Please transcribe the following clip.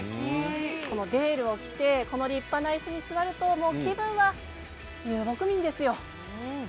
このデールを着て立派ないすに座ると気分が遊牧民ですよ。